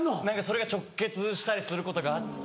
それが直結したりすることがあって。